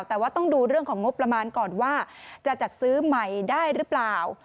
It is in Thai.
แต่ว่าต้องดูเรื่องของงบประมาณก่อนว่าจะจัดซื้อใหม่ได้หรือเปล่า